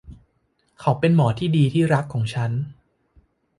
เขาเป็นหมอที่ดีที่รักของฉัน ?